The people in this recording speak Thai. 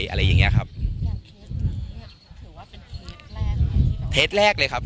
อย่างเคสนี้ถือว่าเป็นเคสแรกไหม